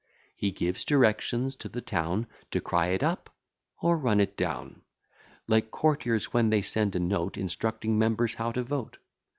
He gives directions to the town, To cry it up, or run it down; Like courtiers, when they send a note, Instructing members how to vote.